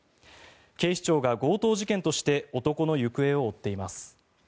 警視庁が強盗事件として男の行方を追っています。